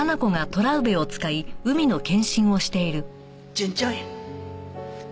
順調や。